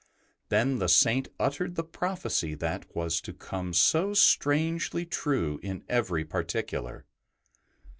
Then the Saint uttered the prophecy that was to come so strangely true in every particular.